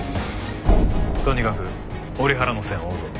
とにかく折原の線を追うぞ。